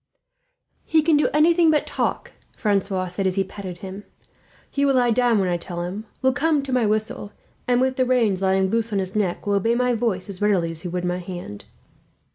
"He can do anything but talk," Francois said, as he patted him. "He will lie down when I tell him, will come to my whistle and, with the reins lying loose on his neck, will obey my voice as readily as he would my hand.